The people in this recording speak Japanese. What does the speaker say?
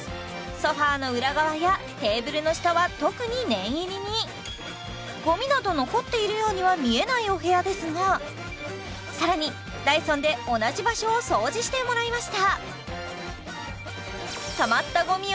ソファーの裏側やテーブルの下は特に念入りにゴミなど残っているようには見えないお部屋ですが更にダイソンで同じ場所を掃除してもらいました・